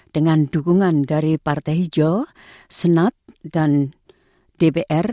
dengan dukungan dari partai hijau senat dan dpr